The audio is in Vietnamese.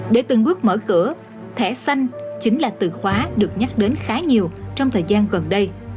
để từng bước mở cửa thẻ xanh chính là từ khóa được nhắc đến khá nhiều trong thời gian gần đây